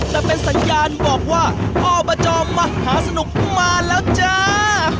แต่เป็นสัญญาณบอกว่าอบจมหาสนุกมาแล้วจ้า